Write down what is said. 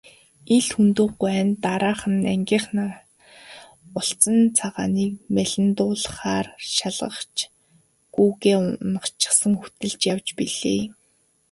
Лхүндэв гуай дараахан нь ангийнхаа улцан цагааныг малиндуулахаар шаргач гүүгээ уначихсан хөтөлж явж билээ.